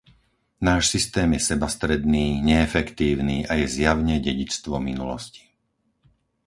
Náš systém je sebastredný, neefektívny a je zjavne dedičstvom minulosti.